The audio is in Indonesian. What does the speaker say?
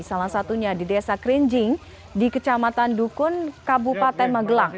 salah satunya di desa krinjing di kecamatan dukun kabupaten magelang